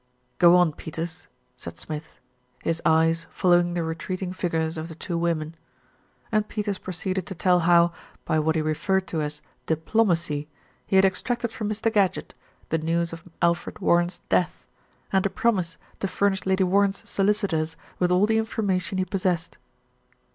"Go on, Peters," said Smith, his eyes following the retreating figures of the two women. And Peters proceeded to tell how, by what he re ferred to as "diplomacy," he had extracted from Mr. Gadgett the news of Alfred Warren's death, and a promise to furnish Lady Warren's solicitors with all the information he possessed.